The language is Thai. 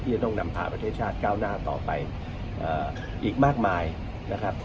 จะต้องนำพาประเทศชาติก้าวหน้าต่อไปอีกมากมายนะครับ